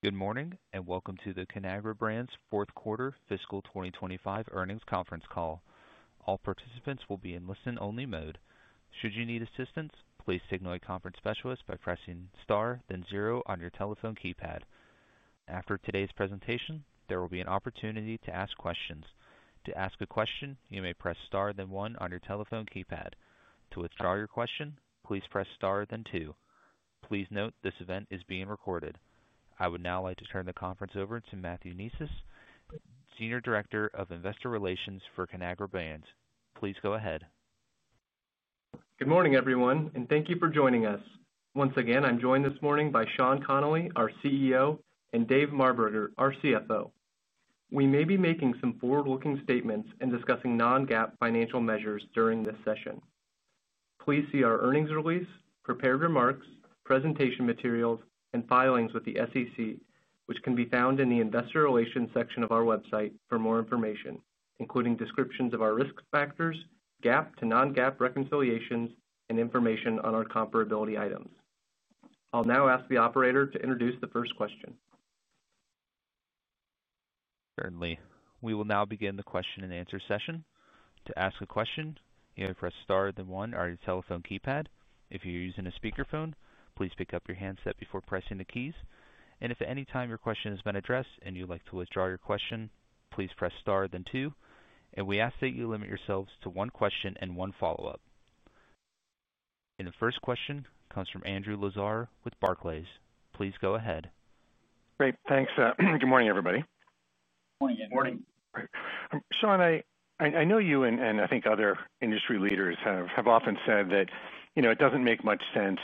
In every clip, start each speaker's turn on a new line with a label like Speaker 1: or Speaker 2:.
Speaker 1: Good morning, and welcome to the Canagra Brands Fourth Quarter Fiscal twenty twenty five Earnings Conference Call. All participants will be in listen only mode. Please note this event is being recorded. I would now like to turn the conference over to Matthew Niesis, Senior Director of Investor Relations for Conagra Brands. Please go ahead.
Speaker 2: Good morning, everyone, and thank you for joining us. Once again, I'm joined this morning by Sean Connolly, our CEO and Dave Marburger, our CFO. We may be making some forward looking statements and discussing non GAAP financial measures during this session. Please see our earnings release, prepared remarks, presentation materials and filings with the SEC, which can be found in the Investor Relations section of our website for more information, including descriptions of our risk factors, GAAP to non GAAP reconciliations and information on our comparability items. I'll now ask the operator to introduce the first question.
Speaker 1: Certainly. We will now begin the question and answer session. And the first question comes from Andrew Lazar with Barclays. Please go ahead.
Speaker 3: Great. Thanks. Good morning, everybody.
Speaker 4: Good morning, Andrew.
Speaker 3: Good morning. Sean, I know you and I think other industry leaders have often said that it doesn't make much sense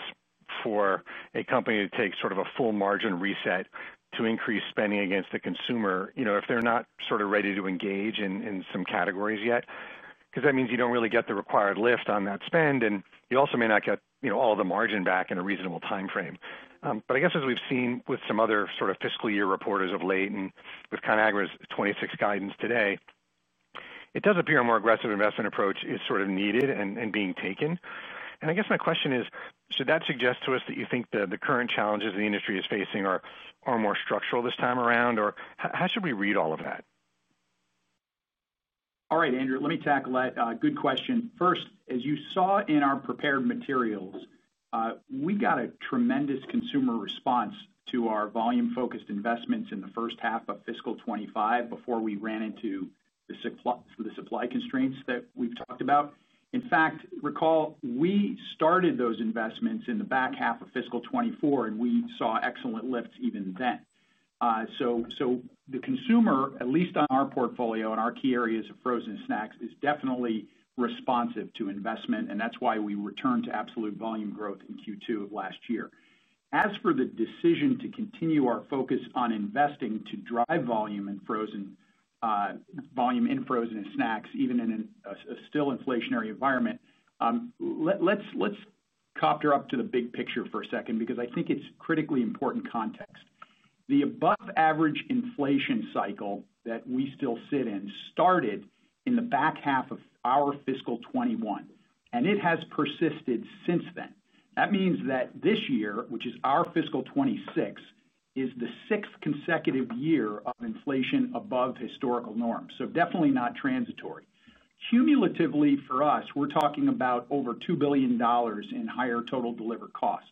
Speaker 3: for a company to take sort of a full margin reset to increase spending against the consumer if they're not sort of ready to engage in some categories yet? Because that means you don't really get the required lift on that spend and you also may not get all the margin back in a reasonable timeframe. But I guess as we've seen with some other sort of fiscal year reporters of late and with ConAgra's '26 guidance today, it does appear a more aggressive investment approach is sort of needed and being taken. And I guess my question is, should that suggest to us that you think the current challenges the industry is facing are more structural this time around? Or how should we read all of that?
Speaker 4: All right, Andrew, let me tackle that. Good question. First, as you saw in our prepared materials, we got a tremendous consumer response to our volume focused investments in the first half of fiscal twenty twenty five before we ran into the supply constraints that we've talked about. In fact, recall, we started those investments in the back half of fiscal twenty twenty four and we saw excellent lift even then. So the consumer, at least on our portfolio and our key areas of frozen snacks is definitely responsive to investment and that's why we returned to absolute volume growth in Q2 of last year. As for the decision to continue our focus on investing to drive volume in frozen and snacks even in a still inflationary environment. Let's copter up to the big picture for a second because I think it's critically important context. The above average inflation cycle that we still sit in started in the back half of our fiscal twenty twenty one and it has persisted since then. That means that this year, which is our fiscal twenty twenty six is the sixth consecutive year of inflation above historical norms, so definitely not transitory. Cumulatively for us, we're talking about over $2,000,000,000 in higher total delivered costs.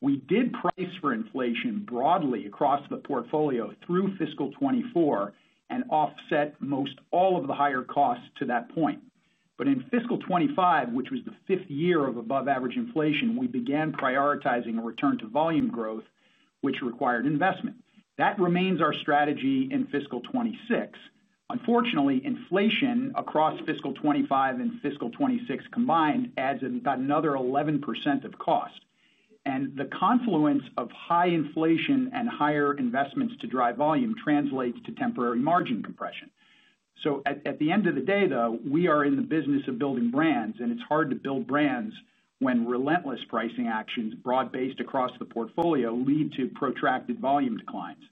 Speaker 4: We did price for inflation broadly across the portfolio through fiscal twenty twenty four and offset most all of the higher costs to that point. But in fiscal twenty twenty five, which was the fifth year of above average inflation, we began prioritizing return to volume growth, which required investment. That remains our strategy in fiscal twenty twenty six. Unfortunately, inflation across fiscal twenty twenty five and fiscal twenty twenty six combined adds another 11% of cost. And the confluence of high inflation and higher investments to drive volume translates to temporary margin compression. So at the end of the day though, we are in the business of building brands and it's hard to build brands when relentless pricing actions broad based across the portfolio lead to protracted volume declines.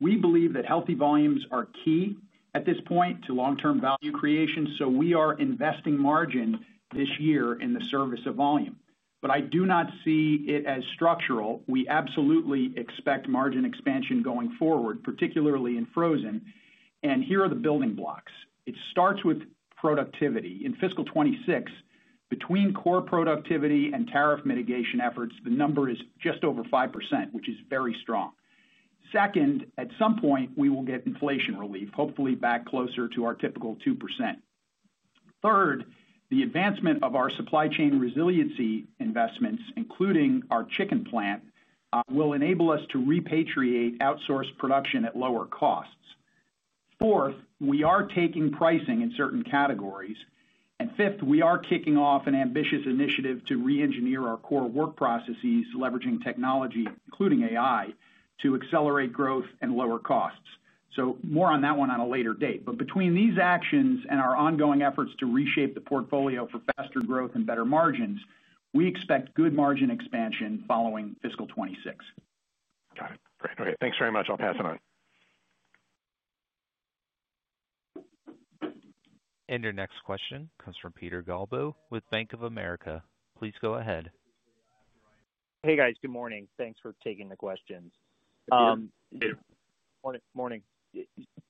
Speaker 4: We believe that healthy volumes are key at this point to long term value creation. So we are investing margin this year in the service of volume. But I do not see it as structural. We absolutely expect margin expansion going forward, particularly in frozen. And here are the building blocks. It starts with productivity. In fiscal twenty twenty six, between core productivity and tariff mitigation efforts, the number is just over 5%, which is very strong. Second, at some point, we will get inflation relief, hopefully back closer to our typical 2%. Third, the advancement of our supply chain resiliency investments, including our chicken plant, will enable us to repatriate outsourced production at lower costs. Fourth, we are taking pricing in certain categories. And fifth, we are kicking off an ambitious initiative to reengineer our core work processes leveraging technology including AI to accelerate growth and lower costs. So more on that one on a later date. But between these actions and our ongoing efforts to reshape the portfolio for faster growth and better margins, we expect good margin expansion following fiscal twenty twenty six.
Speaker 3: Got it. Great. Thanks very much. I'll pass it on.
Speaker 1: And your next question comes from Peter Galbo with Bank of America. Please go ahead.
Speaker 5: Hey guys, good morning. Thanks for taking the questions. Good morning.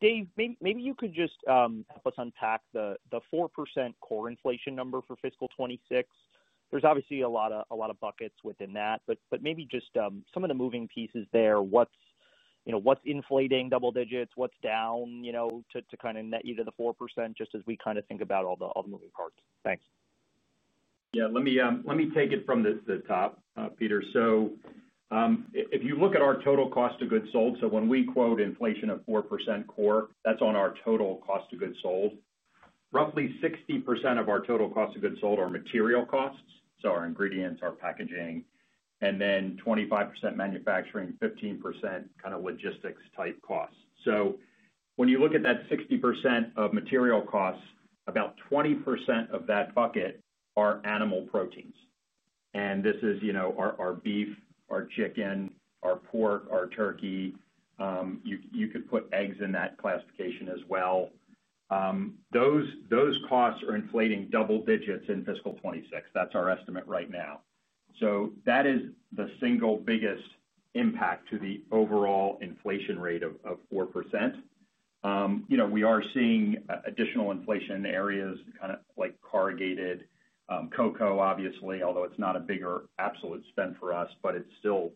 Speaker 5: Dave, maybe you could just help us unpack the 4% core inflation number for fiscal twenty twenty six. There's obviously a lot of buckets within that. But maybe just some of the moving pieces there, what's inflating double digits, what's down to kind of net either the 4% just as we kind of think about all moving parts? Thanks.
Speaker 6: Yes. Let me take it from the top, Peter. So if you look at our total cost of goods sold, so when we quote inflation of 4% core, that's on our total cost of goods sold. Roughly 60% of our total cost of goods sold are material costs, so our ingredients, our packaging and then 25% manufacturing, 15% kind of logistics type costs. So when you look at that 60% of material costs, about 20% of that bucket are animal proteins. And this is our beef, our chicken, our pork, our turkey, you could put eggs in that classification as well. Those costs are inflating double digits in fiscal twenty twenty six. That's our estimate right now. So that is the single biggest impact to the overall inflation rate of 4%. We are seeing additional inflation in areas kind of like corrugated cocoa, obviously, although it's not a bigger absolute spend for us, but it's still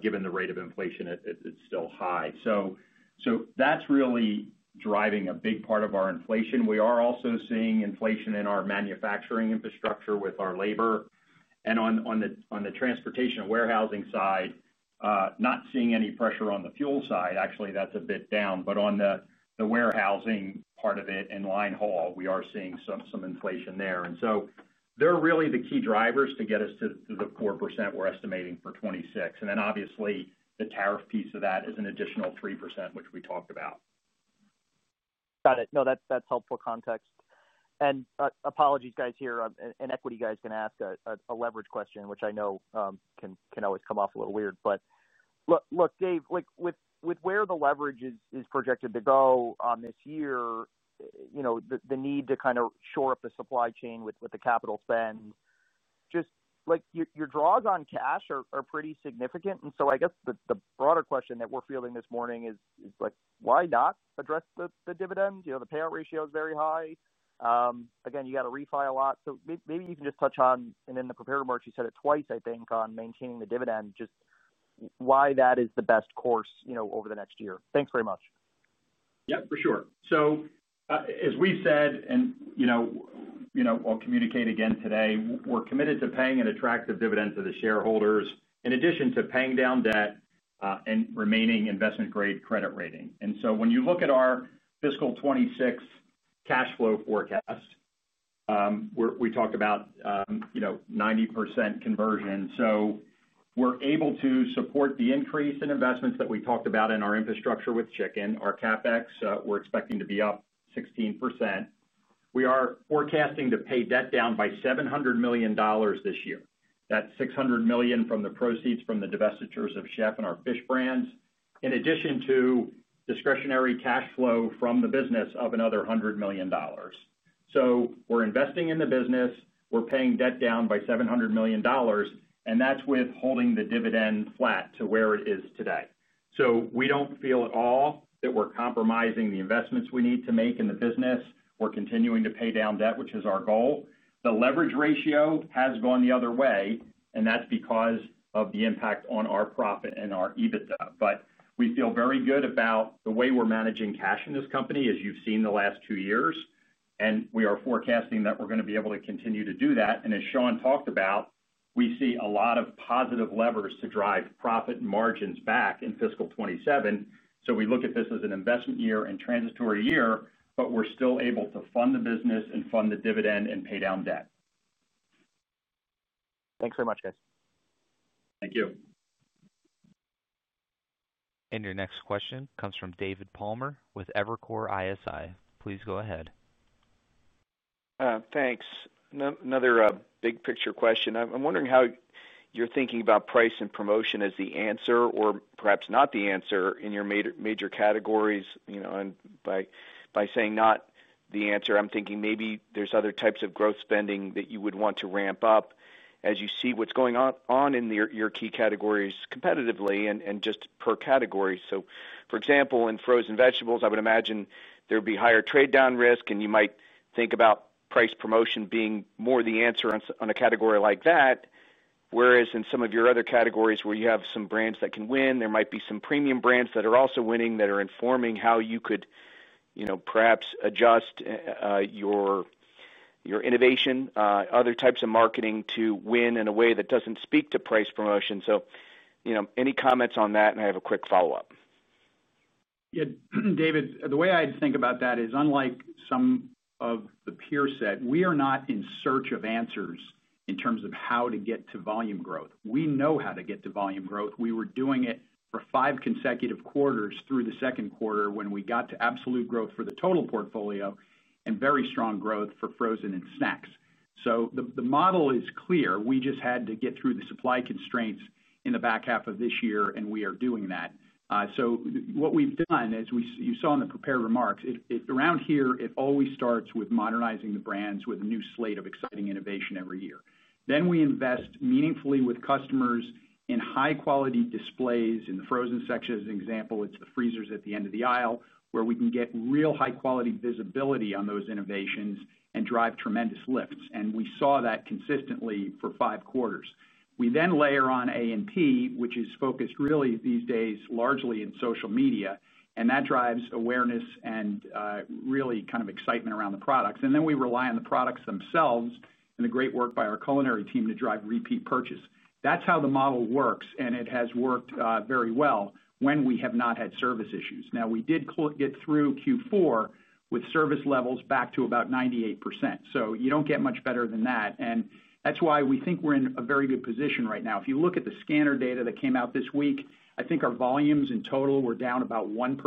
Speaker 6: given the rate of inflation, it's still high. So that's really driving a big part of our inflation. We are also seeing inflation in our manufacturing infrastructure with our labor. And on the transportation warehousing side, not seeing any pressure on the fuel side. Actually, that's a bit down. But on the warehousing part of it and line haul, we are seeing some inflation there. And so they're really the key drivers to get us to the 4% we're estimating for 2026. And then obviously the tariff piece of that is an additional 3%, which we talked about.
Speaker 5: Got it. No, that's helpful context. And apologies guys here, and equity guys can ask a leverage question, which I know can always come off a little weird. Look, Dave, with where the leverage is projected to go on this year, the need to kind of shore up the supply chain with the capital spend. Just like your draws on cash are pretty significant. And so I guess the broader question that we're feeling this morning is like why not address the dividend? The payout ratio is very high. Again, you got to refi a lot. So maybe you can just touch on and in the prepared remarks, you said it twice, I think, maintaining the dividend. Just why that is the best course over the next year? Thanks very much.
Speaker 6: Yes, for sure. So as we said, and I'll communicate again today, we're committed to paying an attractive dividend to the shareholders in addition to paying down debt and remaining investment grade credit rating. And so when you look at our fiscal twenty twenty six cash flow forecast, we talked about 90% conversion. So we're able to support the increase in investments that we talked about in our infrastructure with Chicken. Our CapEx, we're expecting to be up 16%. We are forecasting to pay debt down by $700,000,000 this year. That $600,000,000 from the proceeds from the divestitures of Chef and our Fish brands, in addition to discretionary cash flow from the business of another $100,000,000 So we're investing in the business. We're paying debt down by $700,000,000 and that's with holding the dividend flat to where it is today. So we don't feel at all that we're compromising the investments we need to make in the business. We're continuing to pay down debt, which is our goal. The leverage ratio has gone the other way and that's because of the impact on our profit and our EBITDA. But we feel very good about the way we're managing cash in this company as you've seen the last two years. And we are forecasting that we're going be able to continue to do that. And as Sean talked about, we see a lot of positive levers to drive profit margins back in fiscal twenty twenty seven. So we look at this as an investment year and transitory year, but we're still able to fund the business and fund the dividend and pay down debt.
Speaker 5: Thanks very much guys.
Speaker 6: Thank you.
Speaker 1: And your next question comes from David Palmer with Evercore ISI. Please go ahead.
Speaker 7: Thanks. Another big picture question. I'm wondering how you're thinking about price and promotion as the answer or perhaps not the answer in your major categories. And by saying not the answer, I'm thinking maybe there's other types of growth spending that you would want to ramp up as you see what's going on in your key categories competitively and just per category. So for example, in frozen vegetables, I would imagine there would be higher trade down risk and you might think about price promotion being more the answer on a category like that, whereas in some of your other categories where you have some brands that can win, there might be some premium brands that are also winning that are informing how you could perhaps adjust your innovation, other types marketing to win in a way that doesn't speak to price promotion. So any comments on that? And I have a quick follow-up.
Speaker 4: David, the way I think about that is unlike some of the peer set, we are not in search of answers in terms of how to get to volume growth. We know how to get to volume growth. We were doing it for five consecutive quarters through the second quarter when we got to absolute growth for the total portfolio and very strong growth for frozen and snacks. So the model is clear. We just had to get through the supply constraints in the back half of this year and we are doing that. So what we've done is you saw in the prepared remarks, it's around here, it always starts with modernizing the brands with a new slate of exciting innovation every year. Then we invest meaningfully with customers in high quality displays in the frozen section as an example, it's the freezers at the end of the aisle, where we can get real high quality visibility on those innovations and drive tremendous lifts. And we saw that consistently for five quarters. We then layer on A and P, which is focused really these days largely in social media, and that drives awareness and really kind of excitement around the products. And then we rely on the products themselves and the great work by our culinary team to drive repeat purchase. That's how the model works and it has worked very well when we have not had service issues. Now we did get through Q4 with service levels back to about 98%. So you don't get much better than that. And that's why we think we're in a very good position right now. If you look at the scanner data that came out this week, I think our volumes in total were down about 1%.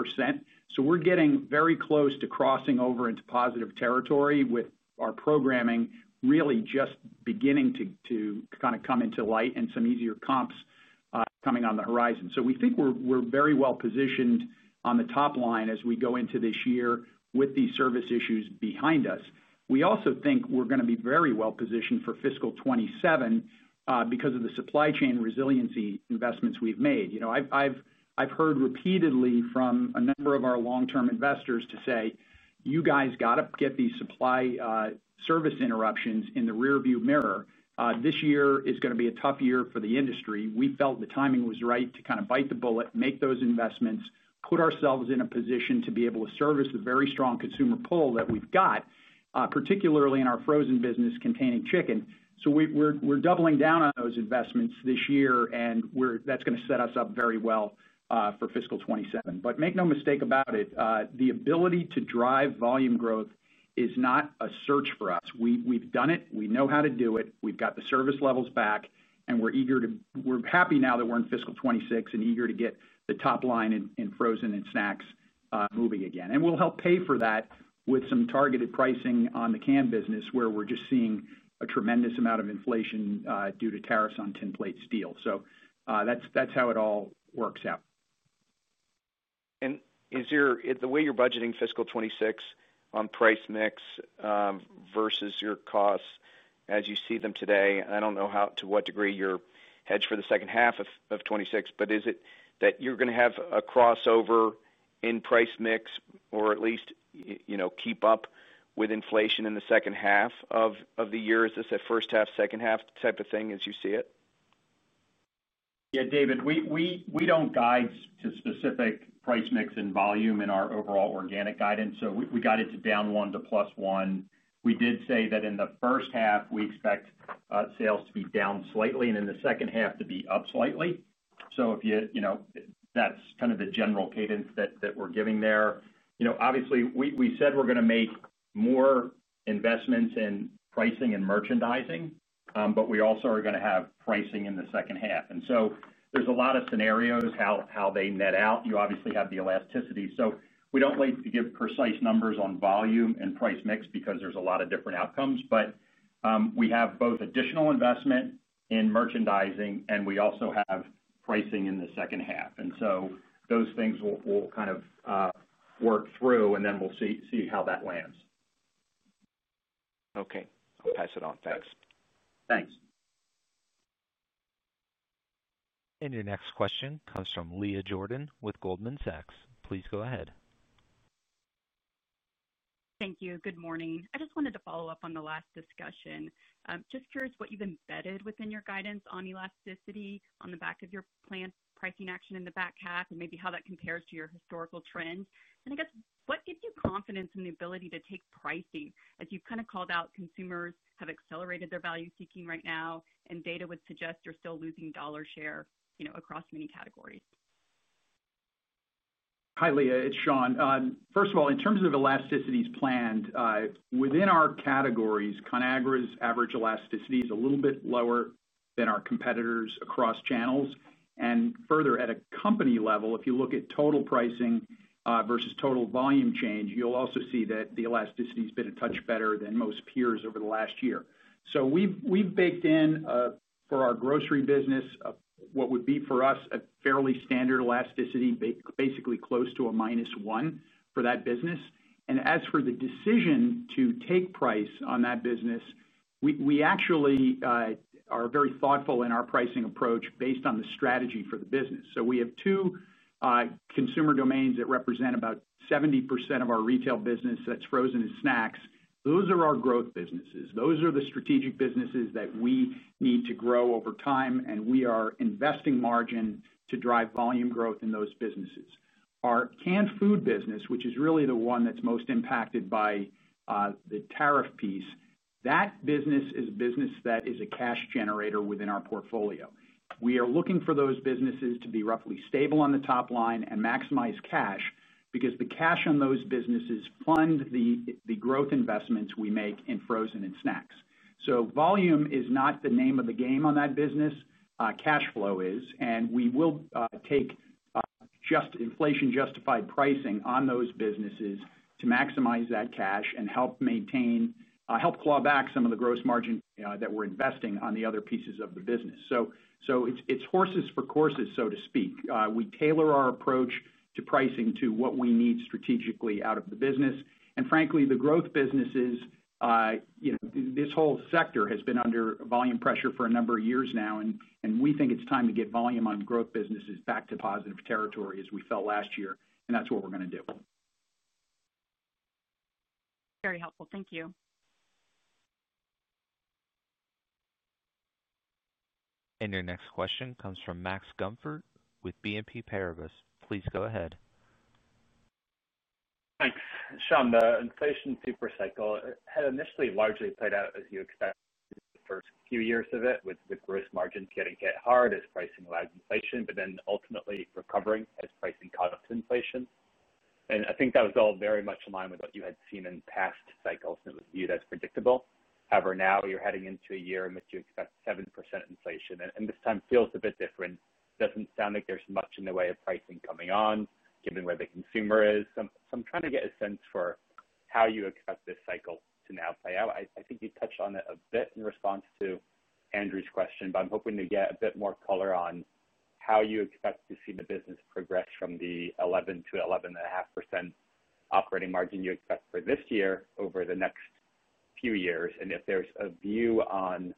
Speaker 4: So we're getting very close to crossing over into positive territory with our programming really just beginning to kind of come into light and some easier comps coming on the horizon. So we think we're very well positioned on the top line as we go into this year with these service issues behind us. We also think we're going to be very well positioned for fiscal twenty twenty seven because of the supply chain resiliency investments we've made. I've heard repeatedly from a number of our long term investors to say, you guys got to get these supply service interruptions in the rearview mirror. This year is going to be a tough year for industry. We felt the timing was right to kind of bite the bullet, make those investments, put ourselves in a position to be able to service the very strong consumer pull that we've got, particularly in our frozen business containing chicken. So we're doubling down on those investments this year and we're that's going to set us up very well for fiscal twenty twenty seven. But make no mistake about it, the ability to drive volume growth is not a search for us. We've done it. We know how to do it. We've got the service levels back and we're eager to we're happy now that we're in fiscal twenty twenty six and eager to get the top line in frozen and snacks moving again. And we'll help pay for that with some targeted pricing on the can business where we're just seeing a tremendous amount of inflation due to tariffs on tinplate steel. So that's how it all works out. And is your the way you're budgeting fiscal twenty
Speaker 7: twenty six on pricemix versus your costs as you see them today, I don't know how to what degree you're hedged for the second half of twenty twenty six, but is it that you're going to have a crossover in price mix or at least keep up with inflation in the second half of the year? Is this a first half, second half type of thing as you see it?
Speaker 6: Yes. David, we don't guide to specific price mix and volume in our overall organic guidance. So we guided to down 1% to plus one We did say that in the first half, we expect sales to be down slightly and in the second half to be up slightly. So if you that's kind of the general cadence that we're giving there. Obviously, we said we're going to make more investments in pricing and merchandising, but we also are going to have pricing in the second half. And so there's a lot of scenarios how they net out. You obviously have the elasticity. So we don't like to give precise numbers on volume and price mix because there's a lot of different outcomes. But, we have both additional investment in merchandising and we also have pricing in the second half. And so those things will kind of work through and then we'll see how that lands.
Speaker 7: Okay. I'll pass it on. Thanks.
Speaker 6: Thanks.
Speaker 1: And your next question comes from Leah Jordan with Goldman Sachs. Please go ahead.
Speaker 8: Thank you. Good morning. I just wanted to follow-up on the last discussion. Just curious what you've embedded within your guidance on elasticity on the back of your planned pricing action in the back half and maybe how that compares to your historical trends? And I guess what gives you confidence in the ability to take pricing as you've kind of called out consumers have accelerated their value seeking right now and data would suggest you're still losing dollar share across many categories?
Speaker 4: Hi, Leah, it's Sean. First of all, in terms of elasticity as planned, within our categories, Conagra's average elasticity is a little bit lower than our competitors across channels. And further at a company level, if you look at total pricing versus total volume change, you'll also see that the elasticity has been a touch better than most peers over the last year. So we've baked in for our grocery business what would be for us a fairly standard elasticity, basically close to a minus one for that business. And as for the decision to take price on that business, we actually are very thoughtful in our pricing approach based on the strategy for the business. So we have two consumer domains that represent about 70% of our retail business that's frozen and snacks. Those are our growth businesses. Those are the strategic businesses that we need to grow over time, and we are investing margin to drive volume growth in those businesses. Our canned food business, which is really the one that's most impacted by the tariff piece, that business is business that is a cash generator within our portfolio. We are looking for those businesses to be roughly stable on the top line and maximize cash because the cash on those businesses fund the growth investments we make in frozen and snacks. So volume is not the name of the game on that business, cash flow is. And we will take just inflation justified pricing on those businesses to maximize that cash and help maintain help claw back some of the gross margin that we're investing on the other pieces of the business. So it's horses for courses so to speak. We tailor our approach to pricing to what we need strategically out of the business. And frankly, the growth businesses, this whole sector has been under volume pressure for a number of years now, we think it's time to get volume on growth businesses back to positive territory as we felt last year, and that's what we're going to do.
Speaker 8: Very helpful. Thank you.
Speaker 1: And your next question comes from Max Guamford with BNP Paribas. Please go ahead.
Speaker 9: Thanks. Sean, the inflation super cycle had initially largely played out as you expect in the first few years of it with the gross margins getting hit hard as pricing lag inflation, but then ultimately recovering as pricing caught up to inflation. And I think that was all very much in line with what you had seen in past cycles and was viewed as predictable. However, now you're heading into a year in which you expect 7% inflation and this time feels a bit different. It doesn't sound like there's much in the way of pricing coming on, given where the consumer is. So I'm trying to get a sense for how you expect this cycle to now play out. I think you touched on it a bit in response to Andrew's question, but I'm hoping to get a bit more color on how you expect to see the business progress from the 11% to 11.5% operating margin you expect for this year over the next few years and if there's a view on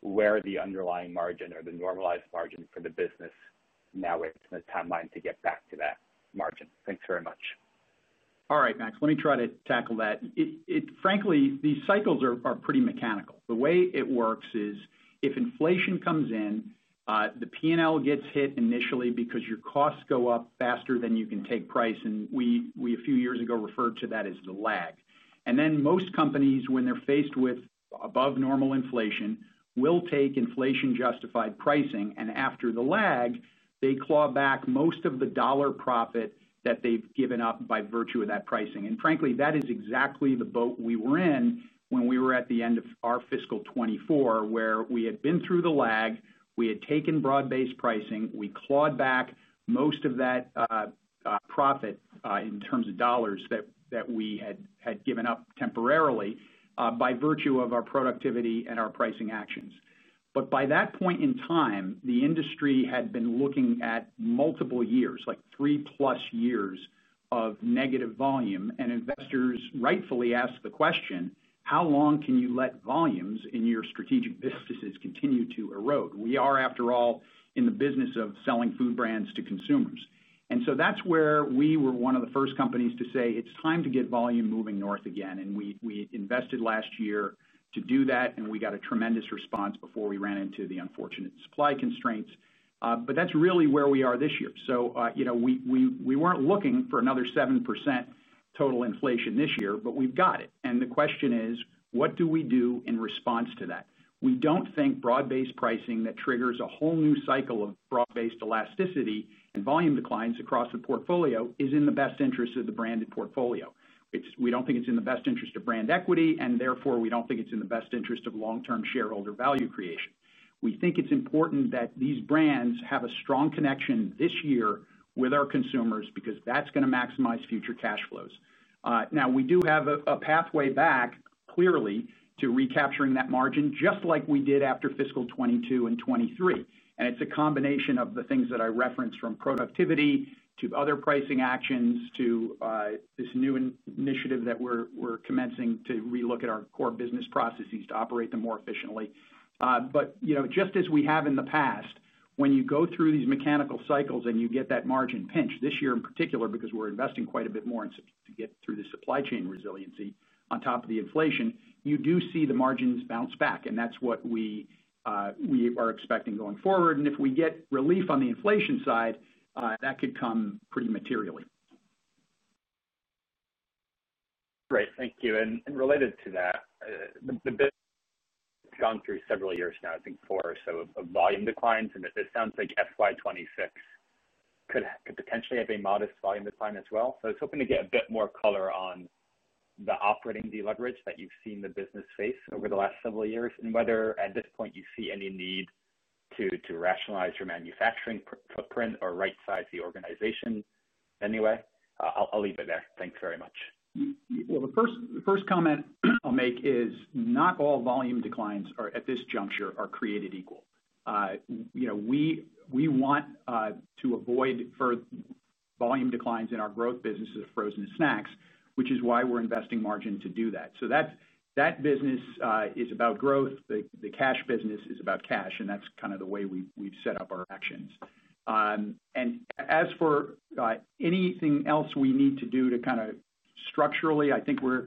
Speaker 9: where the underlying margin or the normalized margin for business now it's in the timeline to get back to that margin? Thanks very much.
Speaker 4: All right, Max. Let me try to tackle that. Frankly, these cycles are pretty mechanical. The way it works is if inflation comes in, the P and L gets hit initially because your costs go up faster than you can take price. And we, a few years ago, referred to that as the lag. And then most companies, when they're faced with above normal inflation, will take inflation justified pricing. And after the lag, they claw back most of the dollar profit that they've given up by virtue of that pricing. And frankly, is exactly the boat we were in when we were at the end of our fiscal twenty twenty four, where we had been through the lag, we had taken broad based pricing, we clawed back most of that profit in terms of dollars that we had given up temporarily by virtue of our productivity and our pricing actions. But by that point in time, the industry had been looking at multiple years, like three plus years of negative volume and investors rightfully asked the question, how long can you let volumes in your strategic businesses continue to erode? We are after all in the business of selling food brands to consumers. And so that's where we were one of the first companies to say, it's time to get volume moving north again. And we invested last year to do that and we got a tremendous response before we ran into the unfortunate supply constraints. But that's really where we are this year. So we weren't looking for another 7% total inflation this year, but we've got it. And the question is, what do we do in response to that? We don't think broad based pricing that triggers a whole new cycle of broad based elasticity and volume declines across the portfolio is in the best interest of the branded portfolio. It's we don't think it's in the best interest of brand equity, and therefore, we don't think it's in the best interest of long term shareholder value creation. We think it's important that these brands have a strong connection this year with our consumers because that's going to maximize future cash flows. Now we do have a pathway back clearly to recapturing that margin just like we did after fiscal twenty twenty two and 2023. And it's a combination of the things that I referenced from productivity to other pricing actions to this new initiative that we're commencing to relook at our core business processes to operate them more efficiently. But just as we have in the past, when you go through these mechanical cycles and you get that margin pinch, this year in particular because we're investing quite a bit more to get through the supply chain resiliency on top of the inflation, you do see the margins bounce back and that's what we are expecting going forward. And if we get relief on the inflation side, that could come pretty materially.
Speaker 9: Great. Thank you. And related to that, bit gone through several years now, I think, for us, so volume declines. And it sounds like FY 2026 could potentially have a modest volume decline as well. So I was hoping to get a bit more color on the operating deleverage that you've seen the business face over the last several years and whether at this point you see any need to rationalize your manufacturing footprint or right size the organization anyway? I'll leave it there. Thanks very much.
Speaker 4: Well, the first comment I'll make is not all volume declines are at this juncture are created equal. We want to avoid volume declines in our growth businesses of frozen snacks, which is why we're investing margin to do that. So that business is about growth. The cash business is about cash, and that's kind of the way we've set up our actions. And as for anything else we need to do to kind of structurally, I think we're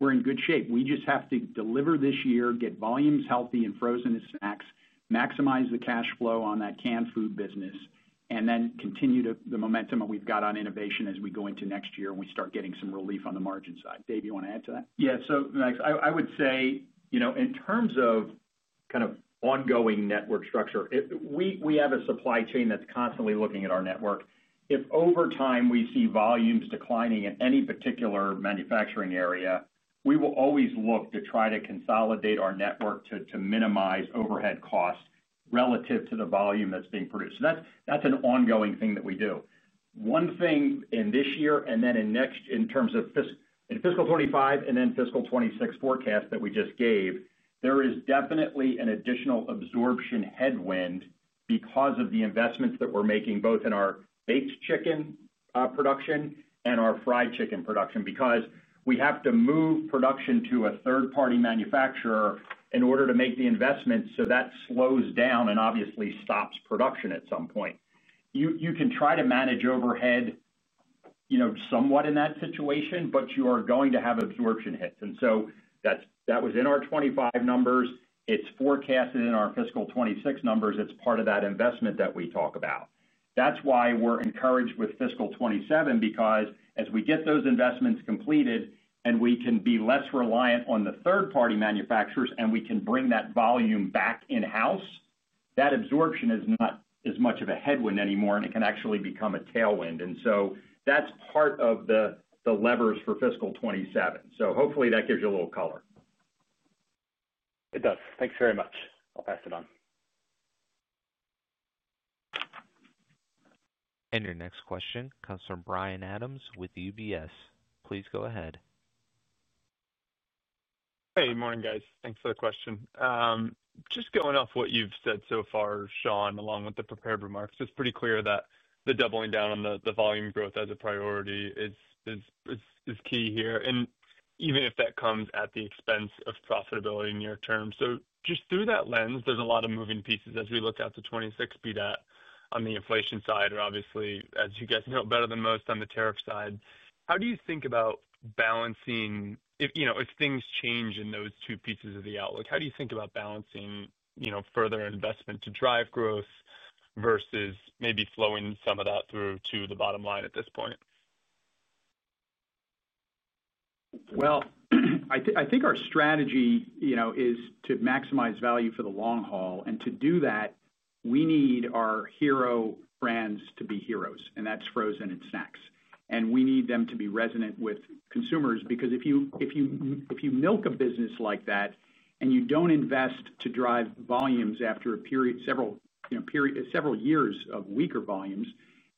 Speaker 4: in good shape. We just have to deliver this year, get volumes healthy in frozen snacks, maximize the cash flow on that canned food business and then continue the momentum that we've got on innovation as we go into next year and we start getting some relief on the margin side. Dave, you want to add to that?
Speaker 6: Yes. So Max, I would say in terms of kind of ongoing network structure, we have a supply chain that's constantly looking at our network. If over time we see volumes declining at any particular manufacturing area, we will always look to try to consolidate our network to minimize overhead costs relative to the volume that's being produced. That's an ongoing thing that we do. One thing in this year and then in next in terms of fiscal twenty twenty five and then fiscal twenty twenty six forecast that we just gave, there is definitely an additional absorption headwind because of the investments that we're making both in our baked chicken production and our fried chicken production because we have to move production to a third party manufacturer in order to make the investments. So that slows down and obviously stops production at some point. You can try to manage overhead somewhat in that situation, but you are going to have a few option hits. And so that was in our 2025 numbers. It's forecasted in our fiscal twenty twenty six numbers. It's part of that investment that we talk about. That's why we're encouraged with fiscal twenty twenty seven because as we get those investments completed and we can be less reliant on the third party manufacturers and we can bring that volume back in house, that absorption is not as much of a headwind anymore and it can actually become a tailwind. And so that's part of the levers for fiscal twenty twenty seven. So hopefully that gives you a little color.
Speaker 9: It does. Thanks very much. I'll pass it on.
Speaker 1: And your next question comes from Brian Adams with UBS. Please go ahead.
Speaker 10: Hey, good morning guys. Thanks for the question. Just going off what you've said so far, Sean, along with the prepared remarks, it's pretty clear that the doubling down on the volume growth as a priority is key here. And even if that comes at the expense of profitability near term. So just through that lens, there's a lot of moving pieces as we look out to '26 beat that on the inflation side or obviously as you guys know better than most on the tariff side. How do you think about balancing if things change in those two pieces of the outlook, how do you think about balancing further investment to drive growth versus maybe flowing some of that through to the bottom line at this point?
Speaker 4: Well, I think our strategy is to maximize value for the long haul. And to do that, we need our hero brands to be heroes and that's frozen and snacks. And we need them to be resonant with consumers because if you milk a business like that and you don't invest to drive volumes after a period several years of weaker volumes,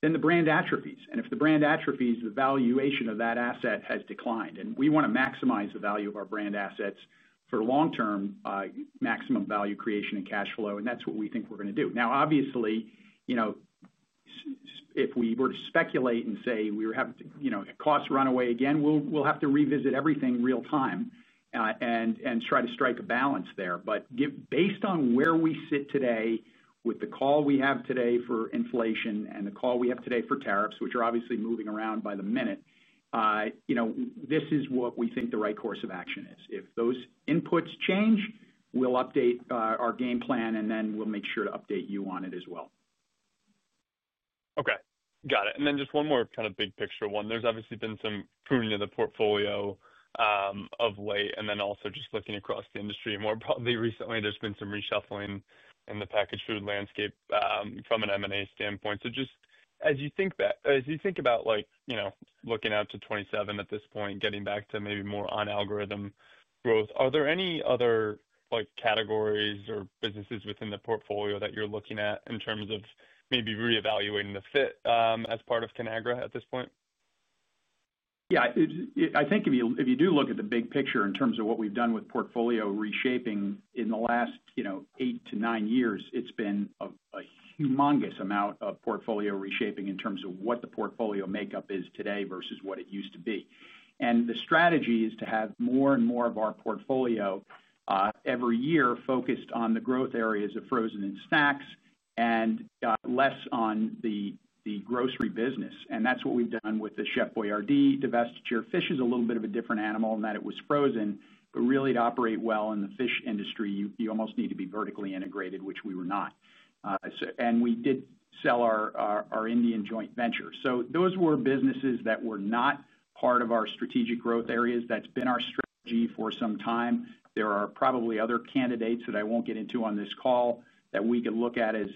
Speaker 4: then the brand atrophies. And if the brand atrophies, the valuation of that asset has declined. And we want to maximize the value of our brand assets for long term maximum value creation and cash flow. And that's what we think we're going to do. Now obviously, if we were to speculate and say we were having costs run away again, we'll have to revisit everything real time and try to strike a balance there. But based on where we sit today with the call we have today for inflation and the call we have today for tariffs, which are obviously moving around by the minute, this is what we think the right course of action is. If those inputs change, we'll update our game plan and then we'll make sure to update you on it as well.
Speaker 10: Okay. Got it. And then just one more kind of big picture one. There's obviously been some pruning of the portfolio, of late and then also just looking across the industry and more broadly recently there's been some reshuffling in the packaged food landscape, from an M and A standpoint. So just as you think about like looking out to '27 at this point, getting back to maybe more on algorithm growth, are there any other like categories or businesses within the portfolio that you're looking at in terms of maybe reevaluating the fit, as part of Conagra at this point?
Speaker 4: Yes. I think if you do look at the big picture in terms of what we've done with portfolio reshaping in the last eight to nine years, it's been a humongous amount of portfolio reshaping in terms of what the portfolio makeup is today versus what it used to be. And the strategy is to have more and more of our portfolio every year focused on the growth areas of frozen and snacks and less on the grocery business. And that's what we've done with the Chef Boyardee divestiture. Fish is a little bit of a different animal and that it was frozen, but really to operate well in the fish industry, you almost need to be vertically integrated, which we were not. And we did sell our Indian joint venture. So those were businesses that were not part of our strategic growth areas. That's been our strategy for some time. There are probably other candidates that I won't get into on this call that we can look at as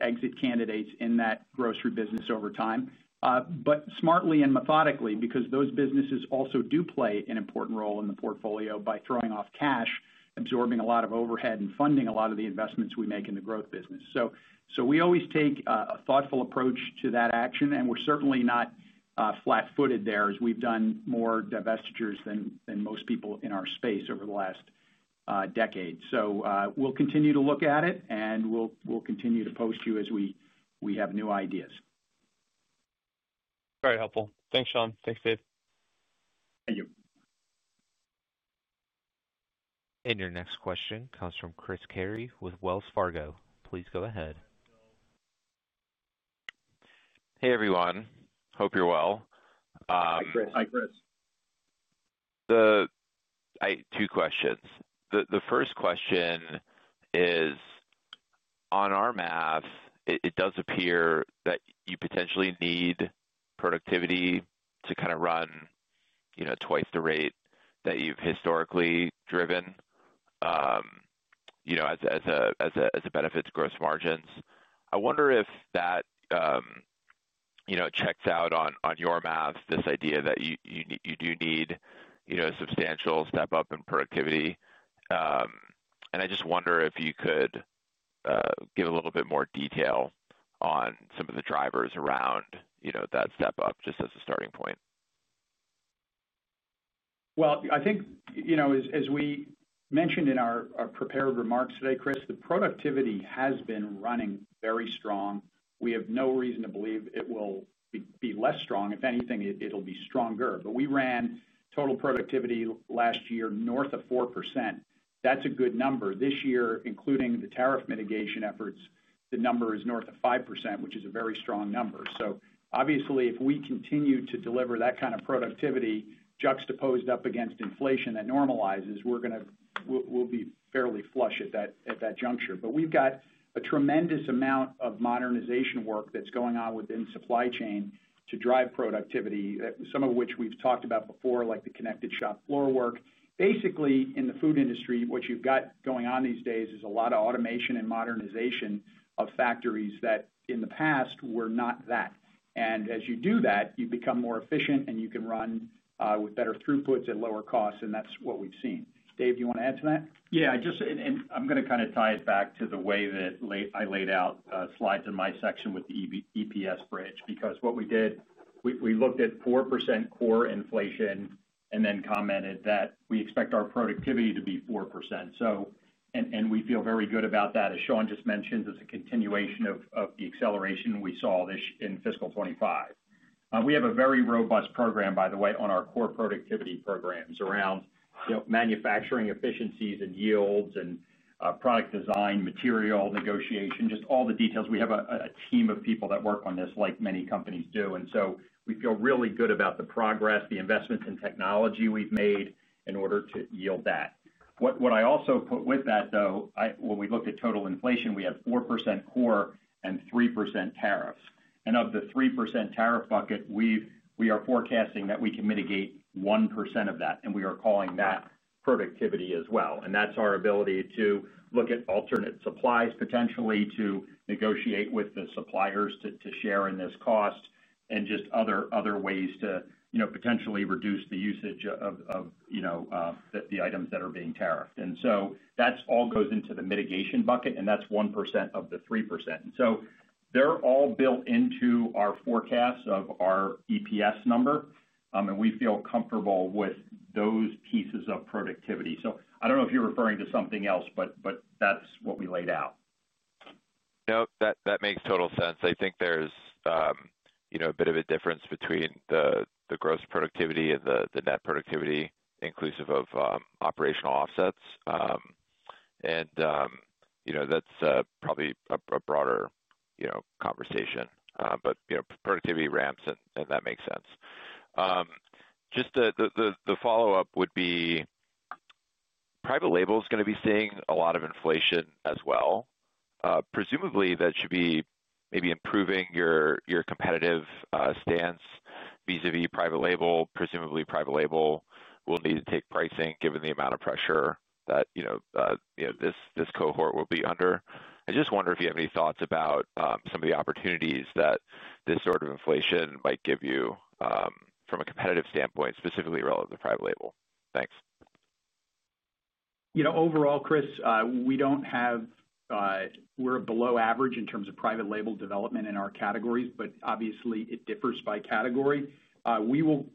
Speaker 4: exit candidates in that grocery business over time. But smartly and methodically because those businesses also do play an important role in the portfolio by throwing off cash, absorbing a lot of overhead and funding a lot of the investments we make in the growth business. So we always take a thoughtful approach to that action, and we're certainly not flat footed there as we've done more divestitures than most people in our space over the last decade. So we'll continue to look at it and we'll continue to post you as we have new ideas.
Speaker 10: Very helpful. Thanks, Sean. Thanks, Dave.
Speaker 6: Thank you.
Speaker 1: And your next question comes from Chris Carey with Wells Fargo. Please go ahead.
Speaker 11: Hey, everyone. Hope you're well.
Speaker 6: Hi, Chris.
Speaker 4: Hi, Chris.
Speaker 11: Two questions. The first question is on our math, it does appear that you potentially need productivity to kind of run twice the rate that you've historically driven as a benefit to gross margins. I wonder if that checks out on your math this idea that you do need a substantial step up in productivity. And I just wonder if you could give a little bit more detail on some of the drivers around that step up just as a starting point?
Speaker 4: Well, I think as we mentioned in our prepared remarks today, Chris, the productivity has been running very strong. We have no reason to believe it will be less strong. If anything, it will be stronger. But we ran total productivity last year north of 4%. That's a good number. This year, including the tariff mitigation efforts, the number is north of 5%, which is a very strong number. So obviously, we continue to deliver that kind of productivity juxtaposed up against inflation that normalizes, we're going to we'll be fairly flush at that juncture. But we've got a tremendous amount of modernization work that's going on within supply chain to drive productivity, some of which we've talked about before like the connected shop floor work. Basically in the food industry, what you've got going on these days is a lot of automation and modernization of factories that in the past were not that. And as you do that, you become more efficient and you can run with better throughputs at lower costs and that's what we've seen. Dave, do want to add to that?
Speaker 6: Yes. I'm going to kind of tie it back to the way that I laid out slides in my section with the EPS bridge because what we did, we looked at 4% core inflation and then commented that we expect our productivity to be 4%. So and we feel very good about that. As Sean just mentioned, it's a continuation of the acceleration we saw this in fiscal twenty twenty five. We have a very robust program, by the way, on our core productivity programs around manufacturing efficiencies and yields and product design, material negotiation, just all the details. We have a team of people that work on this like many companies do. And so we feel really good about the progress, the investments in technology we've made in order to yield that. I also put with that though, when we looked at total inflation, we have 4% core and 3% tariffs. And of the 3% tariff bucket, we are forecasting that we can mitigate 1% of that and we are calling that productivity as well. And that's our ability to look at alternate supplies potentially to negotiate with the suppliers to share in this cost and just other ways to potentially reduce the usage of the items that are being tariffed. And so that all goes into the mitigation bucket and that's 1% of the 3%. And so they're all built into our forecast of our EPS number, and we feel comfortable with those pieces of productivity. So I don't know if you're referring to something else, but that's what we laid out.
Speaker 11: No, that makes total sense. I think there's a bit of a difference between the gross productivity and the net productivity inclusive of operational offsets. And that's probably a broader conversation, but productivity ramps and that makes sense. Just the follow-up would be private label is going to be seeing a lot of inflation as well. Presumably that should be maybe improving your competitive stance vis a vis private label, presumably private label will need to take pricing given the amount of pressure that this cohort will be under. I just wonder if you have any thoughts about some of the opportunities that this sort of inflation might give you from a competitive standpoint, specifically relative to private label? Thanks.
Speaker 4: Overall, Chris, we don't have we're below average in terms of private label development in our categories, but obviously it differs by category. We will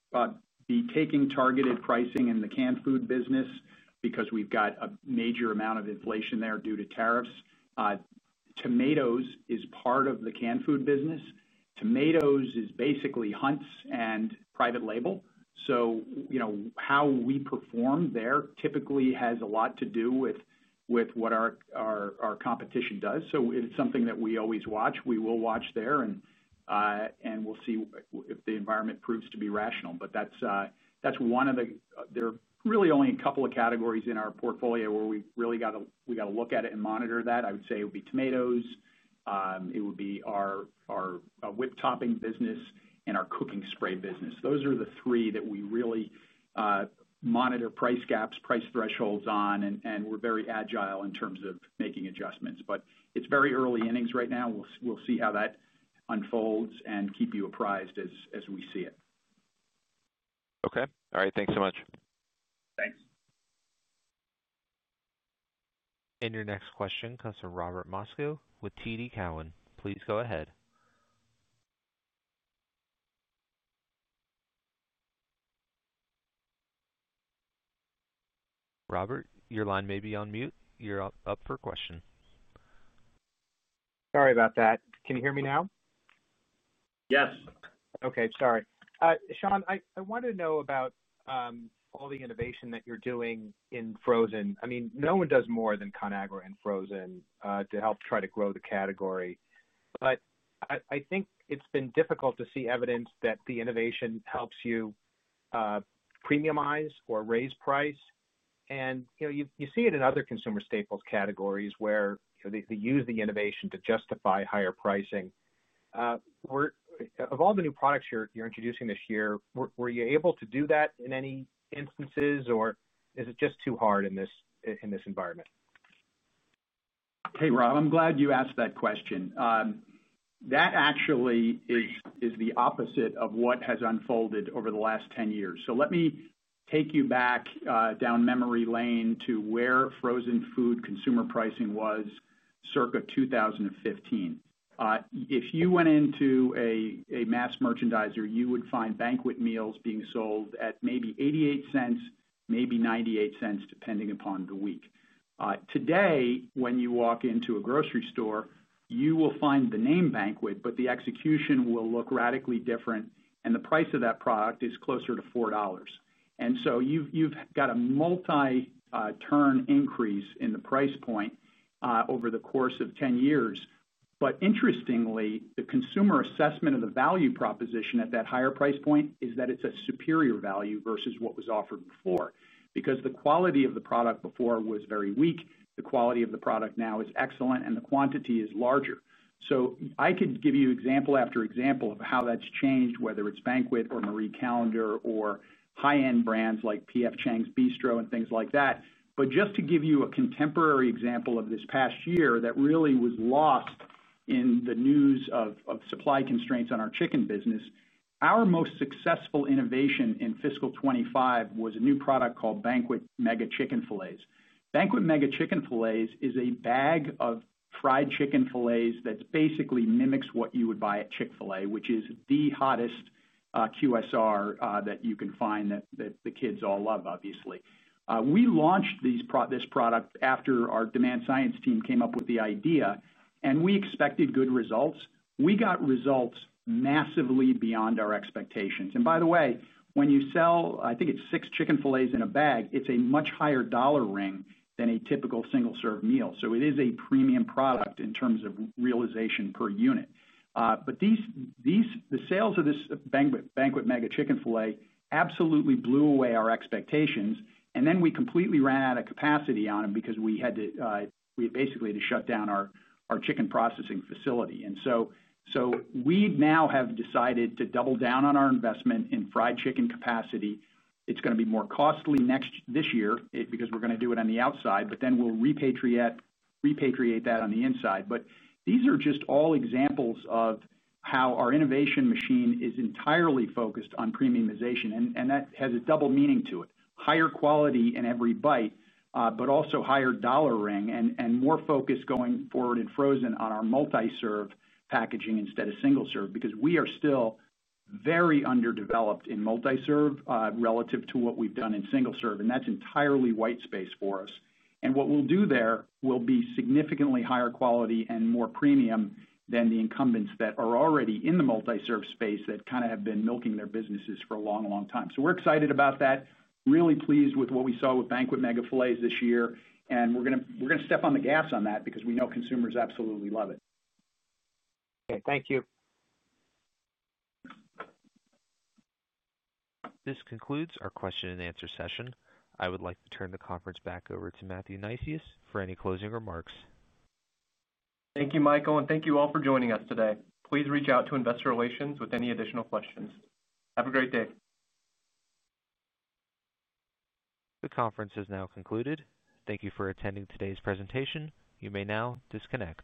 Speaker 4: be taking targeted pricing in the canned food business because we've got a major amount of inflation there due to tariffs. Tomatoes is part of the canned food business. Tomatoes is basically Hunt's and private label. So how we perform there typically has a lot to do with what our competition does. So it's something that we always watch. We will watch there and we'll see if the environment proves to be rational. But that's one of the there really only a couple of categories in our portfolio where we really got to look at it and monitor that. I would say it would be tomatoes, it would be our whipped topping business and our cooking spray business. Those are the three that we really monitor price gaps, price thresholds on and we're very agile in terms of making adjustments. But it's very early innings right now. We'll see how that unfolds and keep you apprised as we see it.
Speaker 11: Okay. All right. Thanks so much.
Speaker 9: Thanks.
Speaker 1: And your next question comes from Robert Moskow with TD Cowen. Please go ahead. Robert, your line maybe on mute. You're up for question.
Speaker 12: Sorry about that. Can you hear me now?
Speaker 4: Yes.
Speaker 12: Okay. Sorry. Sean, I want to know about, all the innovation that you're doing in frozen. I mean, no one does more than ConAgra and frozen, to help try to grow the category. But I think it's been difficult to see evidence that the innovation helps you premiumize or raise price. And you see it in other consumer staples categories where they use the innovation to justify higher pricing. Of all the new products you're introducing this year, were you able to do that in any instances? Or is it just too hard in this environment?
Speaker 4: Rob, I'm glad you asked that question. That actually is the opposite of what has unfolded over the last ten years. So let me take you back down memory lane to where frozen food consumer pricing was circa 2015. If you went into a mass merchandiser, you would find banquet meals being sold at maybe $0.88 maybe $0.98 depending upon the week. Today, when you walk into a grocery store, you will find the name banquet, but the execution will look radically different and the price of that product is closer to $4 And so you've got a multi turn increase in the price point over the course of ten years. But interestingly, the consumer assessment of the value proposition at that higher price point is that it's a superior value versus what was offered before, because the quality of the product before was very weak, the quality of the product now is excellent and the quantity is larger. So I could give you example after example of how that's changed whether it's Banquet or Marie Callender or high end brands like P. F. Chang's Bistro and things like that. But just to give you a contemporary example of this past year that really was lost in the news of supply constraints on our chicken business. Our most successful innovation in fiscal twenty twenty five was a new product called Banquet Mega Chicken Filets. Banquet Mega Chicken Filets is a bag of fried chicken Filets that basically mimics what you would buy at Chick Fil A, which is the hottest QSR that you can find that the kids all love obviously. We launched this product after our demand science team came up with the idea and we expected good results. We got results massively beyond our expectations. And by the way, when you sell, I think it's six chicken fillets in a bag, it's a much higher dollar ring than a typical single serve meal. So it is a premium product in terms of realization per unit. But these the sales of this Banquet Mega Chicken Fillet absolutely blew away our expectations. And then we completely ran out of capacity on them because we had to basically to shut down our chicken processing facility. And so we now have decided to double down on our investment in fried chicken capacity. It's going to be more costly next this year because we're going to do it on the outside, but then we'll repatriate that on the inside. But these are just all examples of how our innovation machine is entirely focused on premiumization and that has a double meaning to it, higher quality in every bite, but also higher dollar ring and more focus going forward in frozen on our multi serve packaging instead of single serve, because we are still very underdeveloped in multi serve relative to what we've done in single serve and that's entirely white space for us. And what we'll do there will be significantly higher quality and more premium than the incumbents that are already in the multi serve space that kind of have been milking their businesses for a long, long time. So we're excited about that. Really pleased with what we saw with Banquet Mega Filets this year and we're going to step on the gas on that because we know consumers absolutely love it.
Speaker 7: Okay. Thank you.
Speaker 1: This concludes our question and answer session. I would like to turn the conference back over to Matthew Nysias for any closing remarks.
Speaker 2: Thank you, Michael, and thank you all for joining us today. Please reach out to Investor Relations with any additional questions. Have a great day.
Speaker 1: The conference has now concluded. Thank you for attending today's presentation. You may now disconnect.